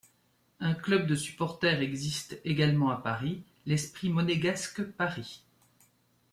Un club de supporters existe également à Paris, l'Esprit monégasque Paris.